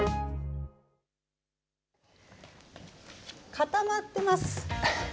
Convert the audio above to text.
固まってます。